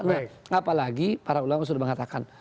nah apalagi para ulama sudah mengatakan